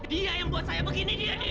dia yang buat saya begini dia dia dia